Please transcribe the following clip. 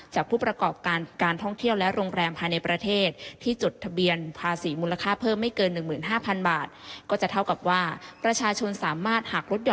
ผู้ประกอบการการท่องเที่ยวและโรงแรมภายในประเทศที่จดทะเบียนภาษีมูลค่าเพิ่มไม่เกิน๑๕๐๐๐บาท